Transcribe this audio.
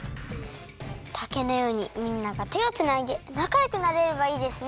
たけのようにみんながてをつないでなかよくなれればいいですね！